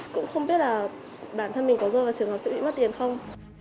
cũng không biết là bản thân mình có rơi vào trường học sẽ bị mất tiền không